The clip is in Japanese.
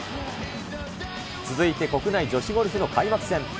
続いて国内女子ゴルフの開幕戦。